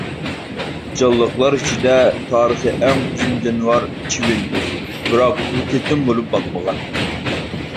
جانلىقلار ئىچىدە تارىخى ئەڭ ئۇزۇن جانىۋار چىۋىن بىراق ئۇ تېتىم بولۇپ باقمىغان.